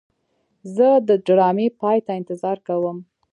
زه د ډرامې پای ته انتظار کوم.